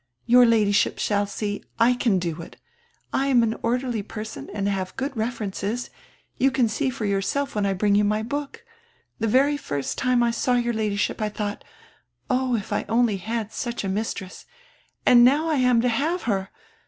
Your Ladyship shall see, I can do it. I am an orderly per son and have good references. You can see for yourself when I hring you my hook. The very first time I saw your Ladyship I thought: 'Oh, if I only had such a mistress!' And now I am to have her.